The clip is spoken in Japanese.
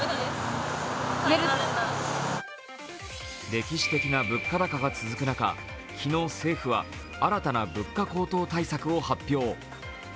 歴史的な物価高が続く中、昨日、政府は新たな物価高騰対策を発表。